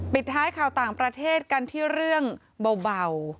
ปิดท้ายข่าวต่างประเทศกันที่เรื่องเบา